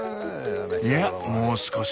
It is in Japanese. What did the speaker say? いやもう少し。